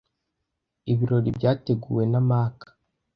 Ibirori byateguwe na Mac.